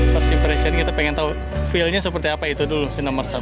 persimpresan kita ingin tahu feelnya seperti apa itu dulu sinar nomor satu